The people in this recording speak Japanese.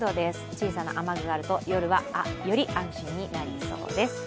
小さな雨具があると夜はより安心になりそうです。